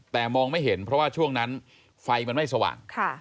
แต่มองไม่เห็นเพราะว่าช่วงนั้นไฟมันไม่สว่าง